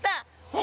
お！